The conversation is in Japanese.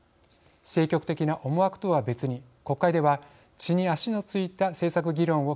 政局的な思惑とは別に国会では地に足の着いた政策議論を